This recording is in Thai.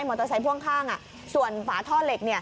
เตอร์ไซค์พ่วงข้างส่วนฝาท่อเหล็ก